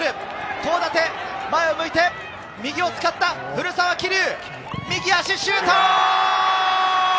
東舘が前を向いて右を使った古澤希竜、右足、シュート！